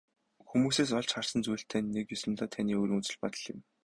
Хүмүүсээс олж харсан зүйл тань нэг ёсондоо таны өөрийн үзэл бодол юм.